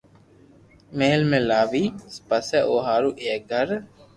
مھل ۾ لاوين پسي او ھارو ايڪ گھر